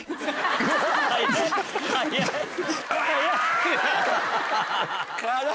早い。